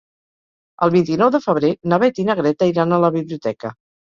El vint-i-nou de febrer na Beth i na Greta iran a la biblioteca.